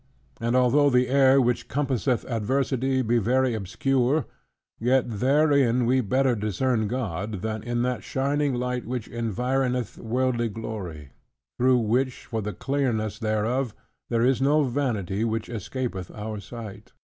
And although the air which compasseth adversity be very obscure; yet therein we better discern God, than in that shining light which environeth worldly glory; through which, for the clearness thereof, there is no vanity which escapeth our sight.